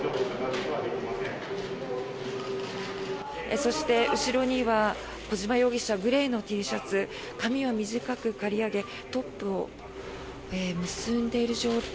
そして、後ろには小島容疑者、グレーのＴシャツ髪を短く刈り上げトップを結んでいる状態。